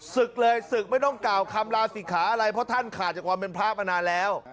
ศึกเลยศึกไม่ต้องกล่าวคำลาศิกขาอะไรเพราะท่านขาดจากความเป็นพระมานานแล้ว